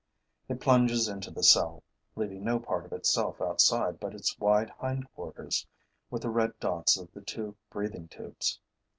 It plunges into the cell, leaving no part of itself outside but its wide hind quarters, with the red dots of the two breathing tubes.